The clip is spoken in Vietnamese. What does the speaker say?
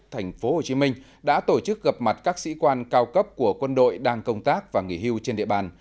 tp hcm đã tổ chức gặp mặt các sĩ quan cao cấp của quân đội đang công tác và nghỉ hưu trên địa bàn